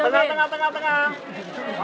tengah tengah tengah